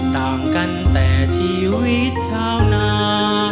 ต่างกันแต่ชีวิตชาวนา